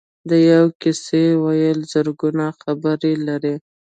د یوې کیسې ویل زرګونه خبرې لري.